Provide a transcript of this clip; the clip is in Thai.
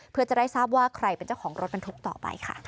เพื่อจะได้ทราบว่าใครเป็นเจ้าของรถบรรทุกต่อไปค่ะ